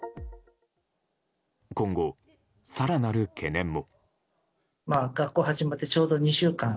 今後、更なる懸念も。